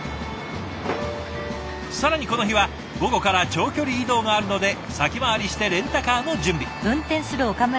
更にこの日は午後から長距離移動があるので先回りしてレンタカーの準備。